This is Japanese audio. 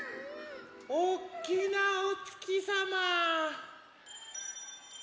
おっきなおつきさま。